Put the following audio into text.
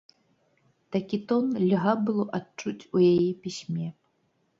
Такі тон льга было адчуць у яе пісьме.